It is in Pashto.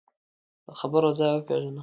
د خبرو ځای وپېژنه